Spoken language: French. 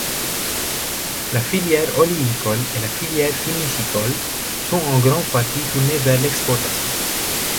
La filière oléicole et la filière phoenicicole sont en grande partie tournées vers l'exportation.